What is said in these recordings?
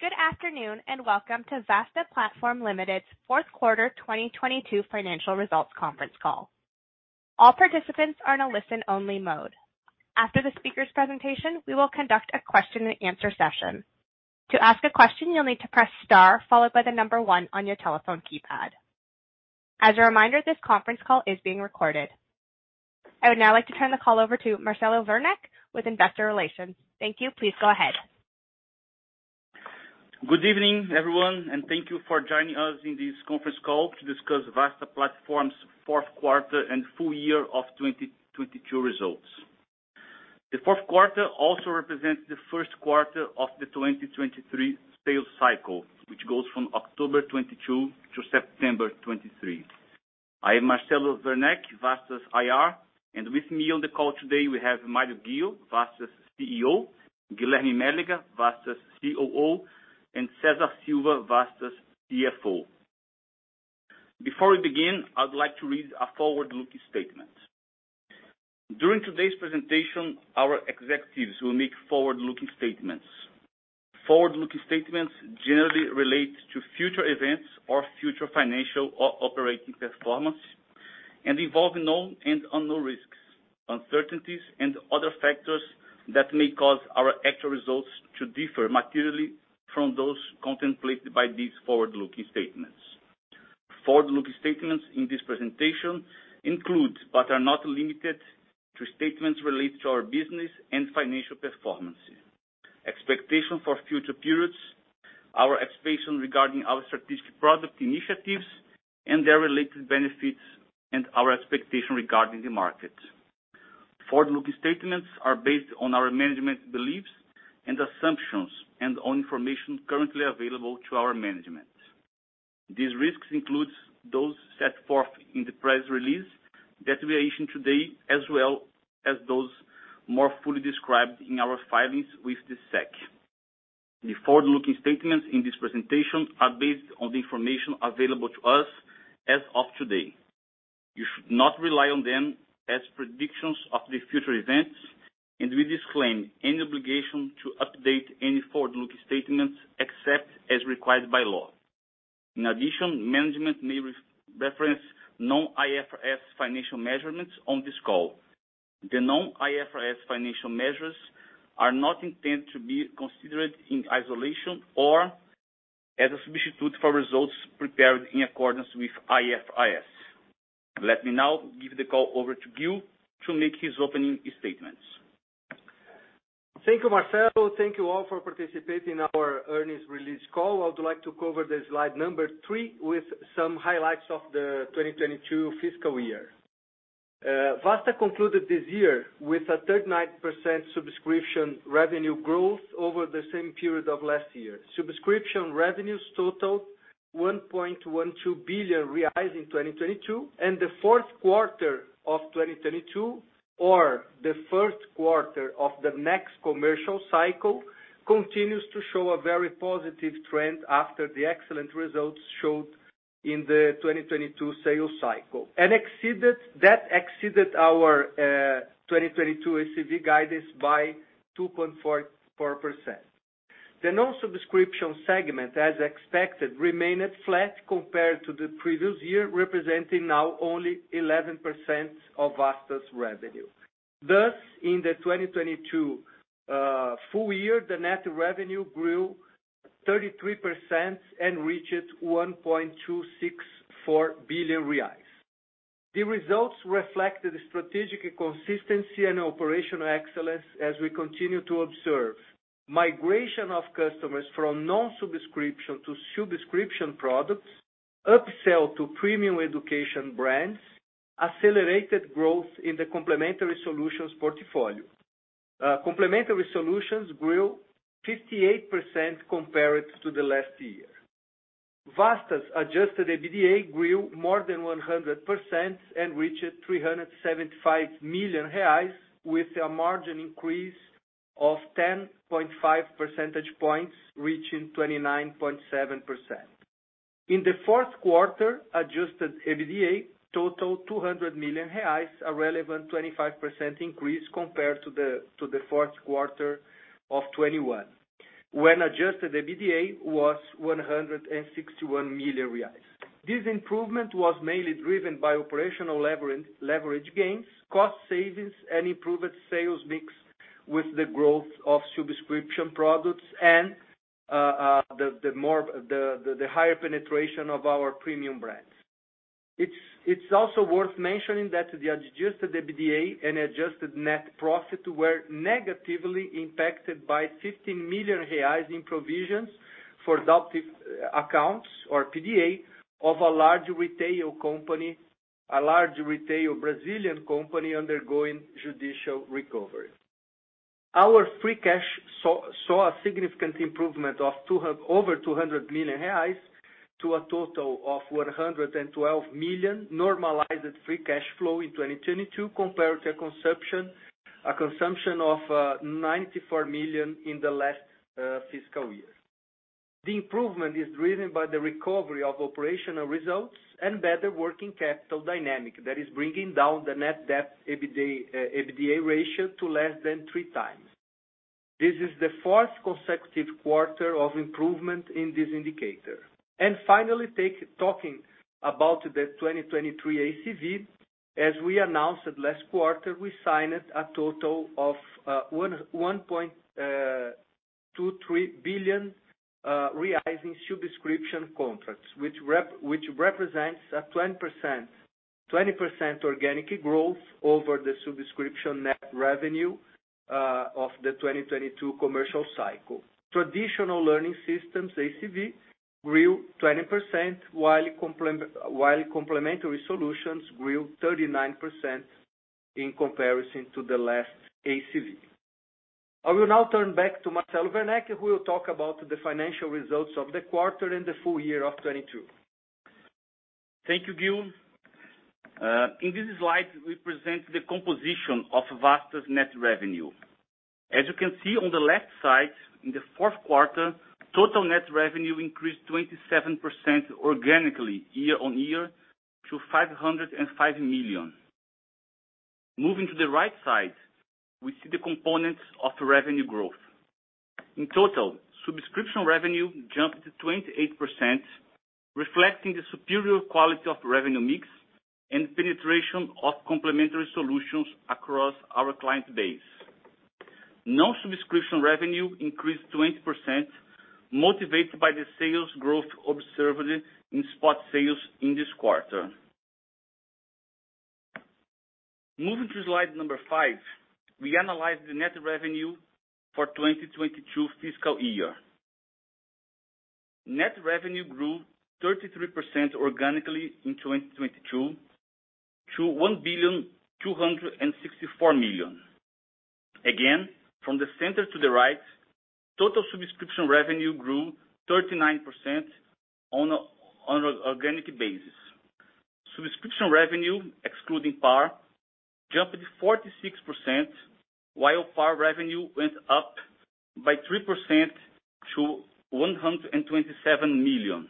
Good afternoon, and welcome to Vasta Platform Limited's 4th quarter 2022 financial results conference call. All participants are in a listen-only mode. After the speaker's presentation, we will conduct a question and answer session. To ask a question, you'll need to press star followed by the number one on your telephone keypad. As a reminder, this conference call is being recorded. I would now like to turn the call over to Marcelo Werneck with Investor Relations. Thank you. Please go ahead. Good evening, everyone, thank you for joining us in this conference call to discuss Vasta Platform's Fourth Quarter and Full Year of 2022 Results. The fourth quarter also represents the first quarter of the 2023 sales cycle, which goes from October 2022 to September 2023. I am Marcelo Werneck, Vasta's IR, with me on the call today, we have Mário Ghio, Vasta's CEO, Guilherme Mélega, Vasta's COO, and Cesar Silva, Vasta's CFO. Before we begin, I'd like to read a forward-looking statement. During today's presentation, our executives will make forward-looking statements. Forward-looking statements generally relate to future events or future financial or operating performance and involve known and unknown risks, uncertainties, and other factors that may cause our actual results to differ materially from those contemplated by these forward-looking statements. Forward-looking statements in this presentation include, but are not limited to, statements related to our business and financial performance, expectation for future periods, our expectations regarding our strategic product initiatives and their related benefits, and our expectation regarding the market. Forward-looking statements are based on our management's beliefs and assumptions and on information currently available to our management. These risks include those set forth in the press release that we are issuing today, as well as those more fully described in our filings with the SEC. The forward-looking statements in this presentation are based on the information available to us as of today. You should not rely on them as predictions of the future events, and we disclaim any obligation to update any forward-looking statements except as required by law. In addition, management may reference non-IFRS financial measurements on this call. The non-IFRS financial measures are not intended to be considered in isolation or as a substitute for results prepared in accordance with IFRS. Let me now give the call over to Ghio to make his opening statements. Thank you, Marcelo. Thank you all for participating in our earnings release call. I would like to cover the slide number three with some highlights of the 2022 fiscal year. Vasta concluded this year with a 39% subscription revenue growth over the same period of last year. Subscription revenues totaled 1.12 billion reais in 2022, the fourth quarter of 2022, or the first quarter of the next commercial cycle, continues to show a very positive trend after the excellent results showed in the 2022 sales cycle, and that exceeded our 2022 ACV guidance by 2.44%. The non-subscription segment, as expected, remained flat compared to the previous year, representing now only 11% of Vasta's revenue. In 2022, full year, the net revenue grew 33% and reached 1.264 billion reais. The results reflected strategic consistency and operational excellence as we continue to observe migration of customers from non-subscription to subscription products, upsell to premium education brands, accelerated growth in the complementary solutions portfolio. Complementary solutions grew 58% compared to the last year. Vasta's adjusted EBITDA grew more than 100% and reached 375 million reais, with a margin increase of 10.5 percentage points, reaching 29.7%. In the fourth quarter, adjusted EBITDA totaled 200 million reais, a relevant 25% increase compared to the fourth quarter of 2021, when adjusted EBITDA was 161 million reais. This improvement was mainly driven by operational leverage gains, cost savings and improved sales mix with the growth of subscription products and the higher penetration of our premium brands. It's also worth mentioning that the adjusted EBITDA and adjusted net profit were negatively impacted by 15 million reais in provisions for doubtful accounts or PDA of a large retail company, a large retail Brazilian company undergoing judicial recovery. Our free cash saw a significant improvement of over 200 million reais to a total of 112 million normalized free cash flow in 2022 compared to a consumption of 94 million in the last fiscal year. The improvement is driven by the recovery of operational results and better working capital dynamic that is bringing down the net debt EBITDA ratio to less than three times. This is the fourth consecutive quarter of improvement in this indicator. Finally, talking about the 2023 ACV. As we announced it last quarter, we signed a total of 1.23 billion reais rising subscription contracts, which represents a 20% organic growth over the subscription net revenue of the 2022 commercial cycle. Traditional learning systems ACV grew 20%, while complementary solutions grew 39% in comparison to the last ACV. I will now turn back to Marcelo Werneck, who will talk about the financial results of the quarter and the full year of 2022. Thank you, Ghio. In this slide, we present the composition of Vasta's net revenue. On the left side, in the fourth quarter, total net revenue increased 27% organically year-over-year to 505 million. To the right side, we see the components of revenue growth. In total, subscription revenue jumped to 28%, reflecting the superior quality of revenue mix and penetration of complementary solutions across our client base. Non-subscription revenue increased 20%, motivated by the sales growth observed in spot sales in this quarter. To slide 5, we analyze the net revenue for 2022 fiscal year. Net revenue grew 33% organically in 2022 to 1,264,000,000. From the center to the right, total subscription revenue grew 39% on an organic basis. Subscription revenue, excluding PAR, jumped 46%, while PAR revenue went up by 3% to 127 million.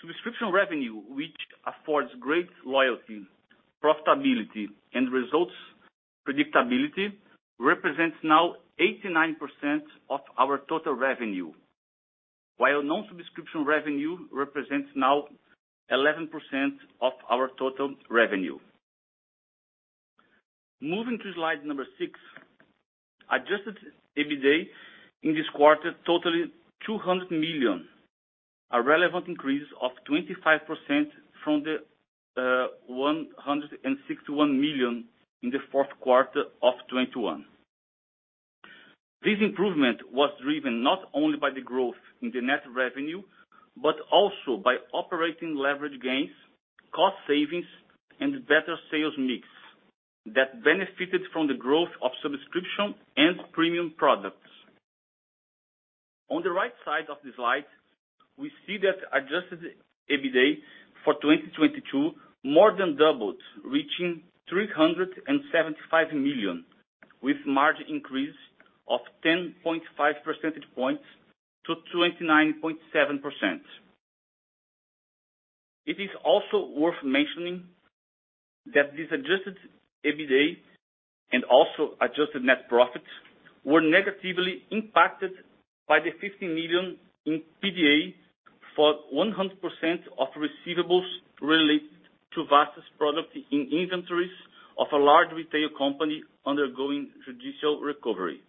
Subscription revenue, which affords great loyalty, profitability, and results predictability, represents now 89% of our total revenue. Non-subscription revenue represents now 11% of our total revenue. Moving to slide number six. Adjusted EBITDA in this quarter totaled 200 million, a relevant increase of 25% from the 161 million in the fourth quarter of 2021. This improvement was driven not only by the growth in the net revenue, but also by operating leverage gains, cost savings, and better sales mix that benefited from the growth of subscription and premium products. On the right side of the slide, we see that adjusted EBITDA for 2022 more than doubled, reaching 375 million, with margin increase of 10.5 percentage points to 29.7%. It is also worth mentioning that this adjusted EBITDA and also adjusted net profits were negatively impacted by the 50 million in PDA for 100% of receivables related to Vasta's product in inventories of a large retail company undergoing judicial recovery.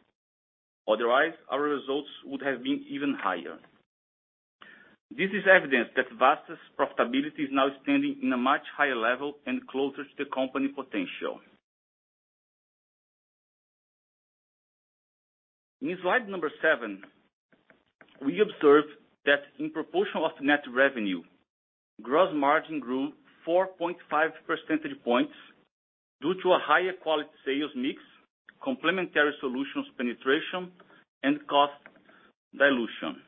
Otherwise, our results would have been even higher. This is evidence that Vasta's profitability is now standing in a much higher level and closer to the company potential. In slide seven, we observe that in proportion of net revenue, gross margin grew 4.5 percentage points due to a higher quality sales mix, complementary solutions penetration, and cost dilution.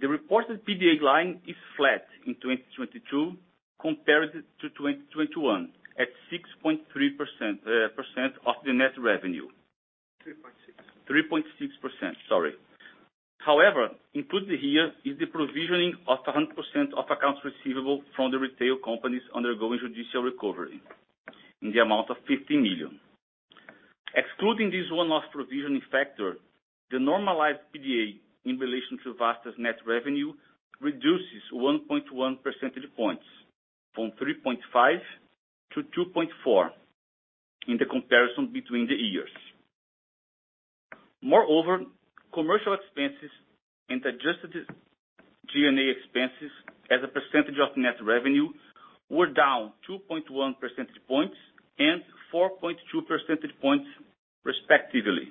The reported PDA line is flat in 2022 compared to 2021 at 6.3% of the net revenue. 3.6. 3.6%. Sorry. Included here is the provisioning of 100% of accounts receivable from the retail companies undergoing judicial recovery in the amount of 50 million. Excluding this one-off provisioning factor, the normalized PDA in relation to Vasta's net revenue reduces 1.1 percentage points from 3.5%-2.4% in the comparison between the years. Commercial expenses and adjusted G&A expenses as a percentage of net revenue were down 2.1 percentage points and 4.2 percentage points respectively.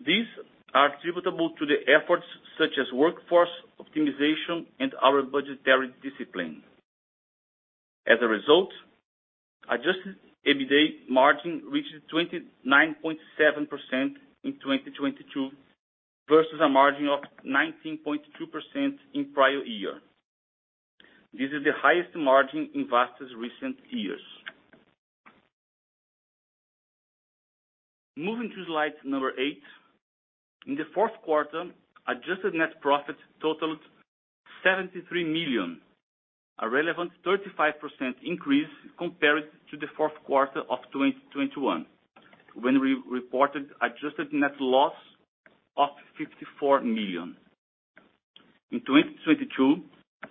These are attributable to the efforts such as workforce optimization and our budgetary discipline. Adjusted EBITDA margin reached 29.7% in 2022 versus a margin of 19.2% in prior year. This is the highest margin in Vasta's recent years. Moving to slide number eight. In the fourth quarter, adjusted net profit totaled 73 million, a relevant 35% increase compared to the fourth quarter of 2021, when we reported adjusted net loss of 54 million. In 2022,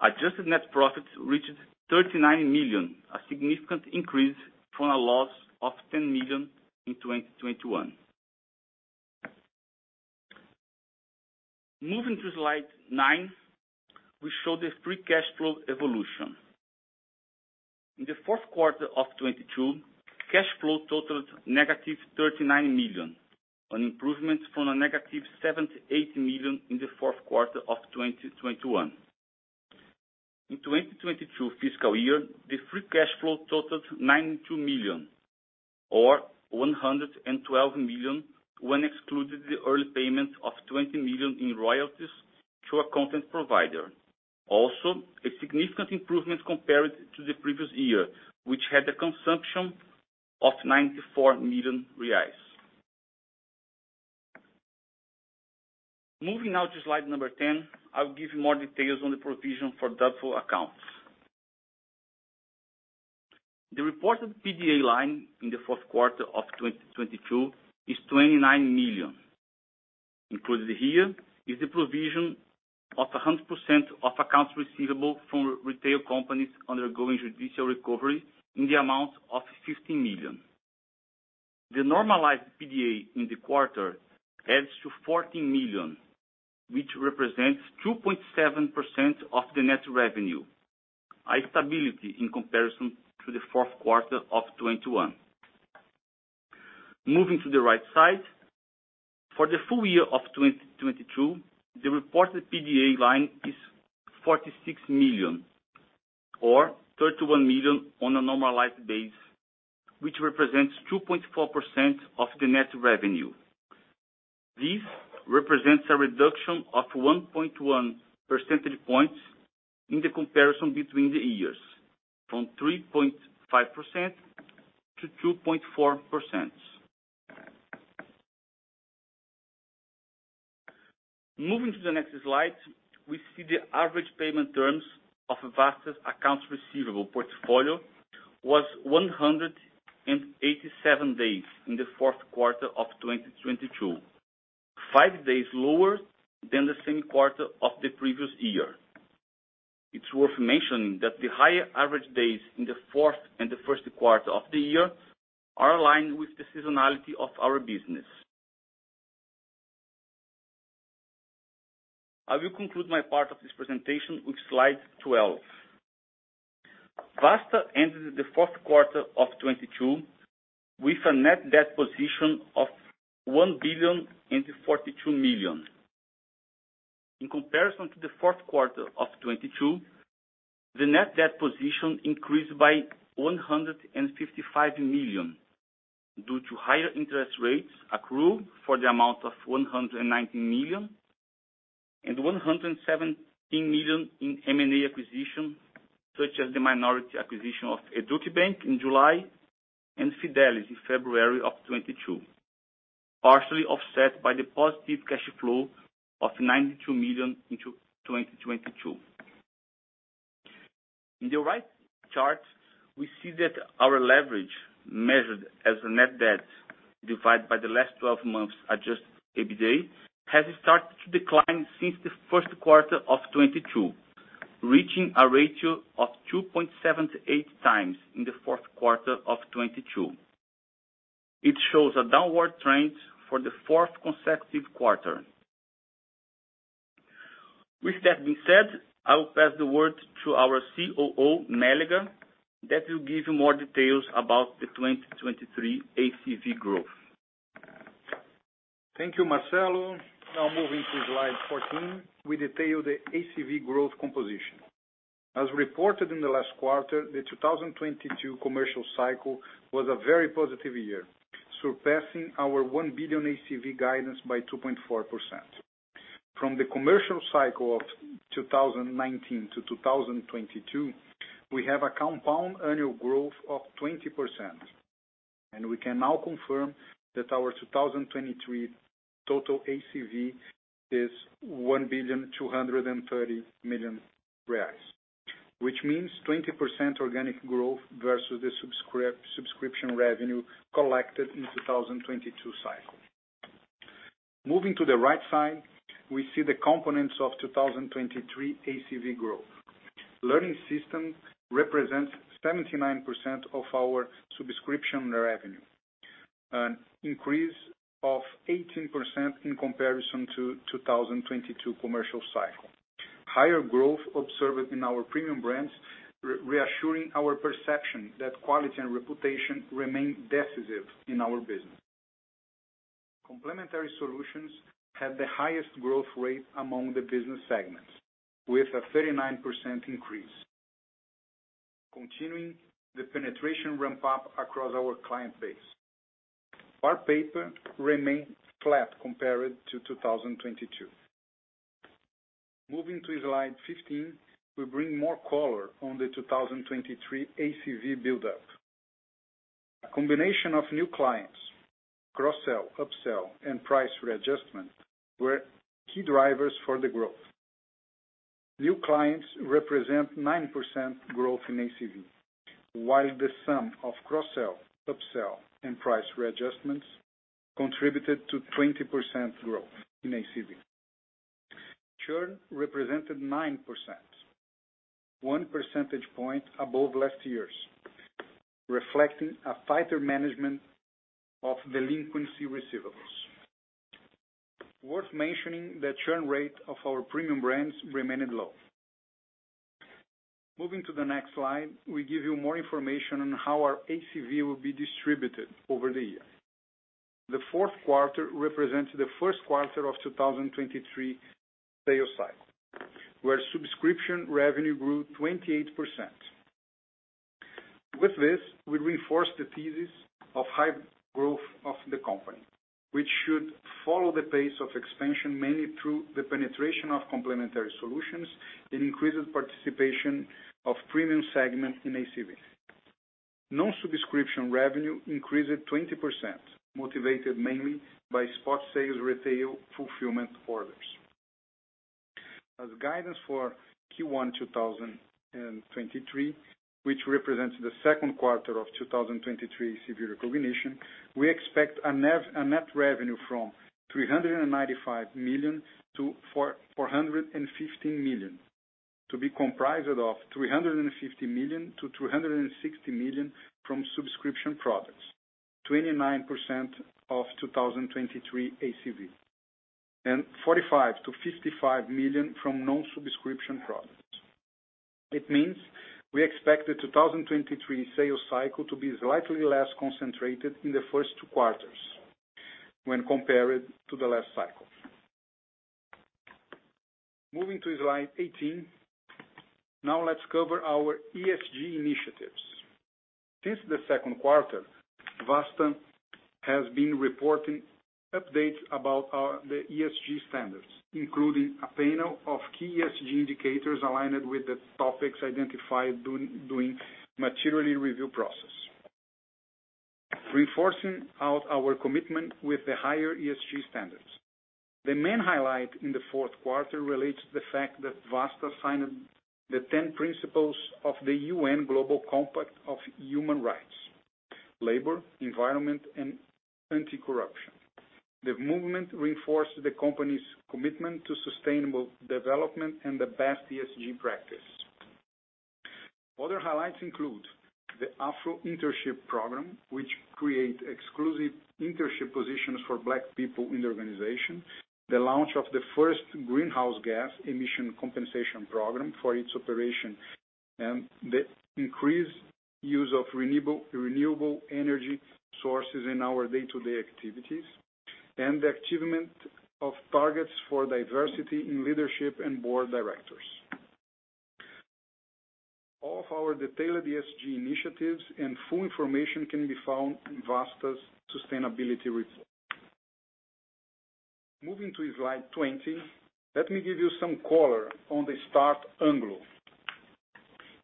adjusted net profit reached 39 million, a significant increase from a loss of 10 million in 2021. Moving to slide nine, we show the free cash flow evolution. In the fourth quarter of 2022, cash flow totaled negative 39 million, an improvement from a negative 78 million in the fourth quarter of 2021. In 2022 fiscal year, the free cash flow totaled 92 million or 112 million when excluded the early payment of 20 million in royalties to a content provider. A significant improvement compared to the previous year, which had a consumption of 94 million reais. Moving now to slide number 10, I'll give you more details on the provision for doubtful accounts. The reported PDA line in the fourth quarter of 2022 is $29 million. Included here is the provision of 100% of accounts receivable from retail companies undergoing judicial recovery in the amount of $15 million. The normalized PDA in the quarter adds to $14 million, which represents 2.7% of the net revenue. A stability in comparison to the fourth quarter of 2021. Moving to the right side. For the full year of 2022, the reported PDA line is $46 million or $31 million on a normalized base, which represents 2.4% of the net revenue. This represents a reduction of 1.1 percentage points in the comparison between the years, from 3.5%-2.4%. Moving to the next slide, we see the average payment terms of Vasta's accounts receivable portfolio was 187 days in the fourth quarter of 2022, five days lower than the same quarter of the previous year. It's worth mentioning that the higher average days in the fourth and the first quarter of the year are aligned with the seasonality of our business. I will conclude my part of this presentation with slide 12. Vasta ended the fourth quarter of 2022 with a net debt position of 1,042,000,000. In comparison to the fourth quarter of 2022, the net debt position increased by 155 million due to higher interest rates accrue for the amount of 119 million, and 117 million in M&A acquisition, such as the minority acquisition of Educbank in July and Phidelis in February of 2022, partially offset by the positive cash flow of 92 million in 2022. In the right chart, we see that our leverage, measured as a net debt divided by the last twelve months adjusted EBITDA, has started to decline since the first quarter of 2022, reaching a ratio of 2.78 times in the fourth quarter of 2022. It shows a downward trend for the fourth consecutive quarter. With that being said, I will pass the word to our COO, Mélega, that will give you more details about the 2023 ACV growth. Thank you, Marcelo. Moving to slide 14, we detail the ACV growth composition. As reported in the last quarter, the 2022 commercial cycle was a very positive year, surpassing our 1 billion ACV guidance by 2.4%. From the commercial cycle of 2019 to 2022, we have a compound annual growth of 20%. We can now confirm that our 2023 total ACV is 1,230,000,000 reais, which means 20% organic growth versus the subscription revenue collected in 2022 cycle. Moving to the right side, we see the components of 2023 ACV growth. Learning system represents 79% of our subscription revenue, an increase of 18% in comparison to 2022 commercial cycle. Higher growth observed in our premium brands reassuring our perception that quality and reputation remain decisive in our business. Complementary solutions have the highest growth rate among the business segments with a 39% increase, continuing the penetration ramp-up across our client base. PAR paper remained flat compared to 2022. Moving to slide 15, we bring more color on the 2023 ACV buildup. A combination of new clients, cross-sell, upsell, and price readjustment were key drivers for the growth. New clients represent 9% growth in ACV, while the sum of cross-sell, upsell, and price readjustments contributed to 20% growth in ACV. Churn represented 9%, 1 percentage point above last year's, reflecting a tighter management of delinquency receivables. Worth mentioning, the churn rate of our premium brands remained low. Moving to the next slide, we give you more information on how our ACV will be distributed over the year. The fourth quarter represents the first quarter of 2023 sales cycle, where subscription revenue grew 28%. We reinforce the thesis of high growth of the company, which should follow the pace of expansion mainly through the penetration of complementary solutions and increased participation of premium segment in ACV. Non-subscription revenue increased 20%, motivated mainly by spot sales retail fulfillment orders. As guidance for Q1 2023, which represents the second quarter of 2023 ACV recognition, we expect a net revenue from 395 million-450 million to be comprised of 350 million-360 million from subscription products, 29% of 2023 ACV, and 45 million-55 million from non-subscription products. It means we expect the 2023 sales cycle to be slightly less concentrated in the first two quarters when compared to the last cycle. Moving to slide 18, now let's cover our ESG initiatives. Since the second quarter, Vasta has been reporting updates about the ESG standards, including a panel of key ESG indicators aligned with the topics identified during materially review process, reinforcing our commitment with the higher ESG standards. The main highlight in the fourth quarter relates to the fact that Vasta signed the 10 principles of the UN Global Compact of human rights: labor, environment, and anti-corruption. The movement reinforced the company's commitment to sustainable development and the best ESG practice. Other highlights include the Afro Internship Program, which create exclusive internship positions for Black people in the organization, the launch of the first greenhouse gas emission compensation program for its operation, and the increased use of renewable energy sources in our day-to-day activities, and the achievement of targets for diversity in leadership and board directors. All of our detailed ESG initiatives and full information can be found in Vasta's sustainability report. Moving to slide 20, let me give you some color on the Start-Anglo.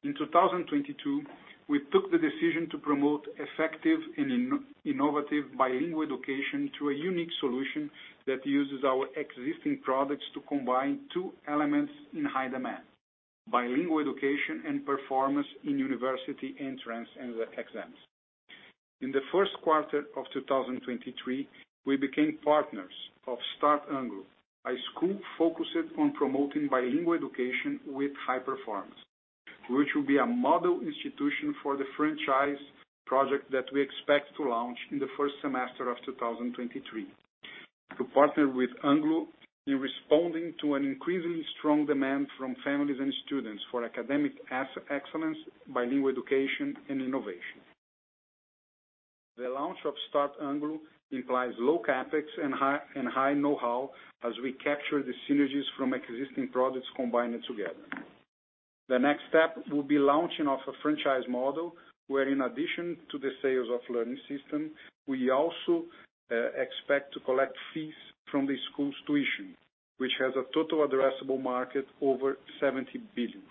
In 2022, we took the decision to promote effective and innovative bilingual education through a unique solution that uses our existing products to combine two elements in high demand: bilingual education and performance in university entrance and exams. In the first quarter of 2023, we became partners of Start-Anglo, a school focused on promoting bilingual education with high performance, which will be a model institution for the franchise project that we expect to launch in the first semester of 2023. To partner with Anglo in responding to an increasingly strong demand from families and students for academic excellence, bilingual education and innovation. The launch of Start-Anglo implies low CapEx and high know-how as we capture the synergies from existing products combined together. The next step will be launching of a franchise model, where in addition to the sales of learning system, we also expect to collect fees from the school's tuition, which has a total addressable market over 70 billion.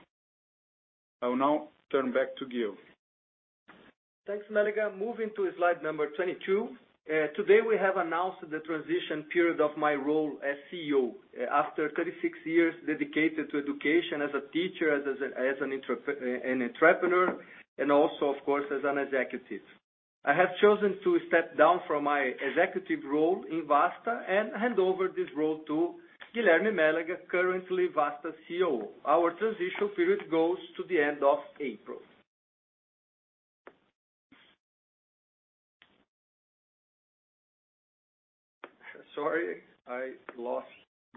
I will now turn back to Ghio. Thanks, Mélega. Moving to slide number 22. Today, we have announced the transition period of my role as CEO. After 36 years dedicated to education as a teacher, as an entrepreneur, also of course, as an executive. I have chosen to step down from my executive role in Vasta and hand over this role to Guilherme Mélega, currently Vasta COO. Our transition period goes to the end of April. Sorry, I lost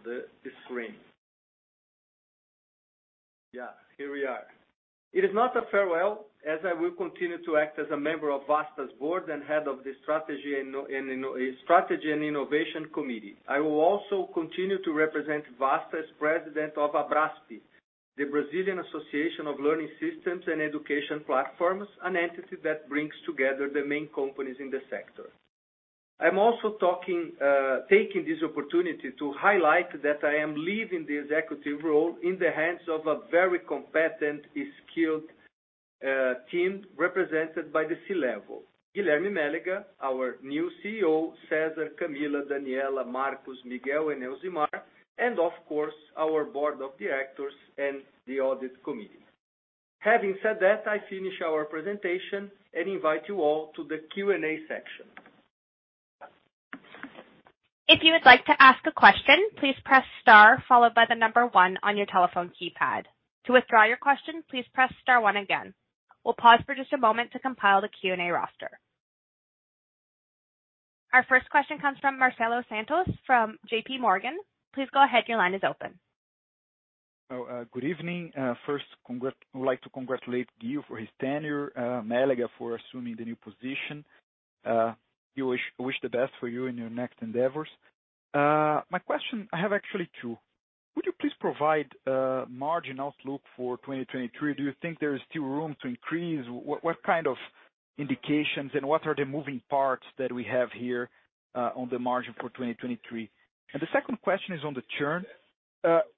the screen. Yeah, here we are. It is not a farewell, as I will continue to act as a member of Vasta's board and head of the strategy and innovation committee. I will also continue to represent Vasta as President of ABRASPE, the Brazilian Association of Learning Systems and Education Platforms, an entity that brings together the main companies in the sector. I'm also taking this opportunity to highlight that I am leaving the executive role in the hands of a very competent and skilled team represented by the C-level. Guilherme Mélega, our new CEO, Cesar Silva, Camila, Daniela, Marcos, Miguel, and Elzimar, and of course, our board of directors and the audit committee. Having said that, I finish our presentation and invite you all to the Q&A section. If you would like to ask a question, please press star followed by the number one on your telephone keypad. To withdraw your question, please press star one again. We'll pause for just a moment to compile the Q&A roster. Our first question comes from Marcelo Santos from JPMorgan. Please go ahead, your line is open. Good evening. First, we'd like to congratulate Ghio for his tenure, Mélega for assuming the new position. Ghio, wish the best for you in your next endeavors. My question. I have actually two. Would you please provide a margin outlook for 2023? Do you think there is still room to increase? What kind of indications, and what are the moving parts that we have here on the margin for 2023? The second question is on the churn.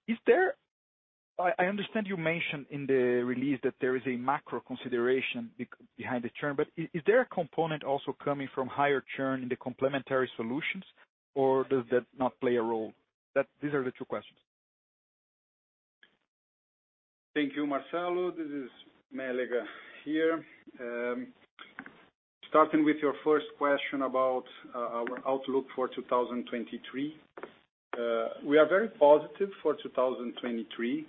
Is there. I understand you mentioned in the release that there is a macro consideration behind the churn, but is there a component also coming from higher churn in the complementary solutions, or does that not play a role? These are the two questions. Thank you, Marcelo. This is Mélega here. Starting with your first question about our outlook for 2023. We are very positive for 2023.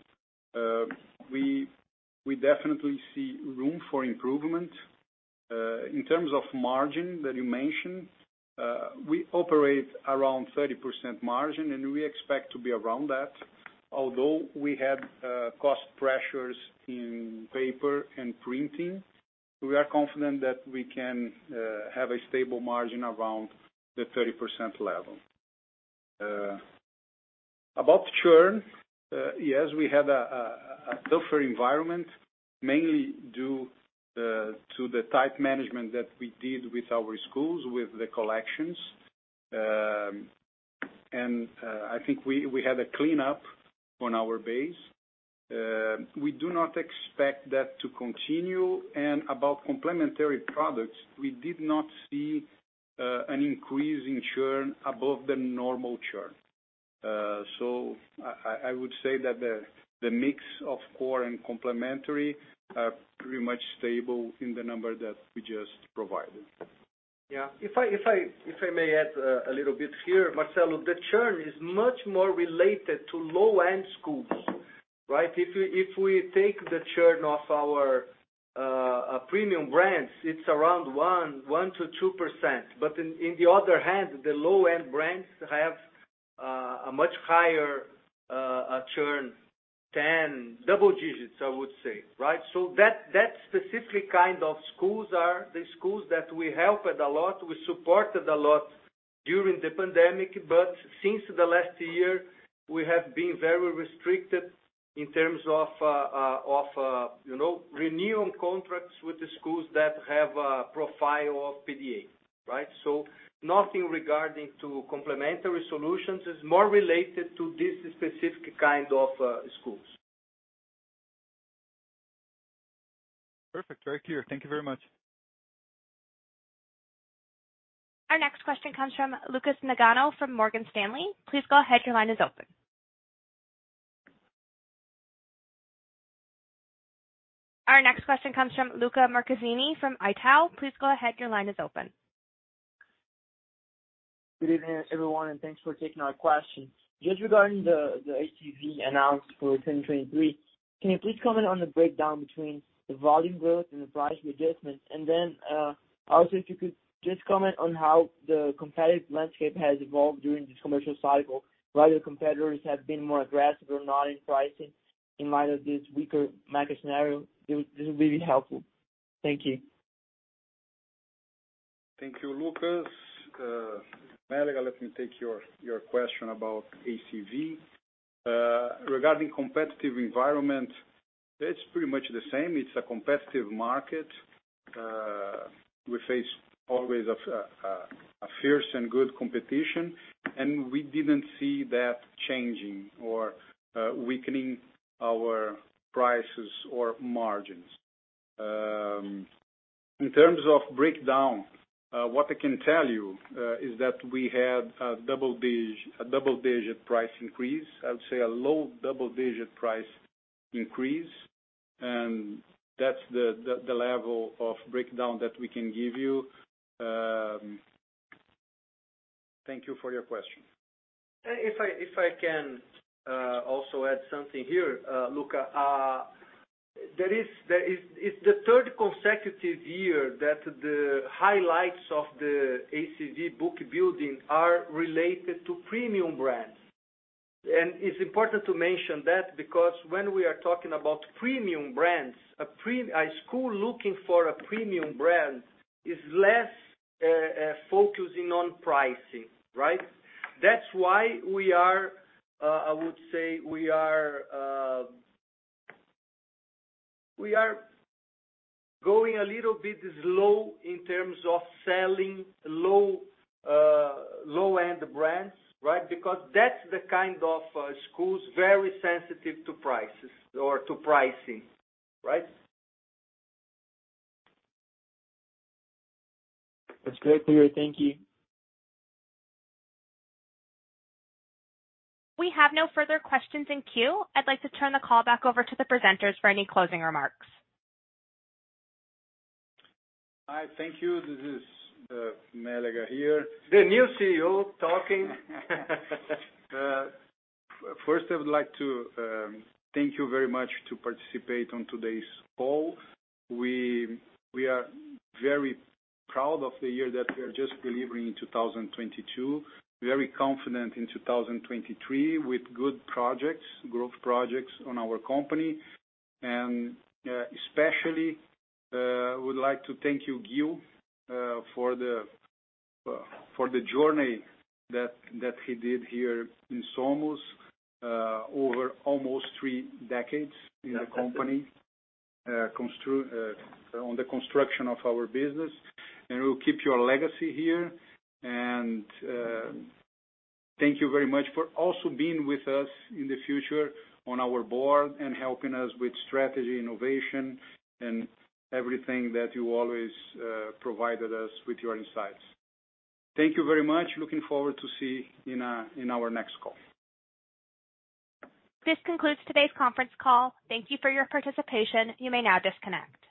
We definitely see room for improvement. In terms of margin that you mentioned, we operate around 30% margin, and we expect to be around that. Although we have cost pressures in paper and printing, we are confident that we can have a stable margin around the 30% level. About churn, yes, we had a tougher environment, mainly due to the tight management that we did with our schools, with the collections. I think we had a cleanup on our base. We do not expect that to continue. About complementary products, we did not see an increase in churn above the normal churn. I would say that the mix of core and complementary are pretty much stable in the number that we just provided. If I may add a little bit here, Marcelo. The churn is much more related to low-end schools, right? If we take the churn of our premium brands, it's around 1%-2%. In the other hand, the low-end brands have a much higher churn, 10 double digits, I would say, right? That specific kind of schools are the schools that we helped a lot, we supported a lot during the pandemic, but since the last year, we have been very restricted in terms of of, you know, renewing contracts with the schools that have a profile of PDA, right? Nothing regarding to complementary solutions. It's more related to this specific kind of schools. Perfect. Very clear. Thank you very much. Our next question comes from Lucas Nagano from Morgan Stanley. Please go ahead, your line is open. Our next question comes from Lucca Marquezini from Itaú. Please go ahead, your line is open. Good evening, everyone, thanks for taking our question. Just regarding the ACV announced for 2023, can you please comment on the breakdown between the volume growth and the price readjustment? Also if you could just comment on how the competitive landscape has evolved during this commercial cycle, whether competitors have been more aggressive or not in pricing in light of this weaker macro scenario, this would be helpful. Thank you. Thank you, Lucas. Mélega, let me take your question about ACV. Regarding competitive environment, it's pretty much the same. It's a competitive market. We face always a fierce and good competition, and we didn't see that changing or weakening our prices or margins. In terms of breakdown, what I can tell you is that we had a double-digit price increase. I would say a low double-digit price increase, and that's the level of breakdown that we can give you. Thank you for your question. If I can also add something here, Luca. It's the third consecutive year that the highlights of the ACV book building are related to premium brands. It's important to mention that because when we are talking about premium brands, a school looking for a premium brand is less focusing on pricing, right? That's why we are, I would say we are, we are going a little bit slow in terms of selling low, low-end brands, right? Because that's the kind of schools very sensitive to prices or to pricing, right? That's very clear. Thank you. We have no further questions in queue. I'd like to turn the call back over to the presenters for any closing remarks. Hi. Thank you. This is Mélega here. The new CEO talking. First I would like to thank you very much to participate on today's call. We are very proud of the year that we are just delivering in 2022. Very confident in 2023 with good projects, growth projects on our company. Especially would like to thank you, Ghio, for the for the journey that he did here in Somos, over almost three decades- Yes. ...in the company on the construction of our business, and we'll keep your legacy here. Thank you very much for also being with us in the future on our board and helping us with strategy, innovation, and everything that you always provided us with your insights. Thank you very much. Looking forward to see you in our next call. This concludes today's conference call. Thank you for your participation. You may now disconnect.